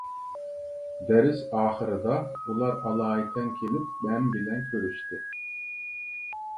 دەرس ئاخىرىدا ئۇلار ئالايىتەن كېلىپ مەن بىلەن كۆرۈشتى.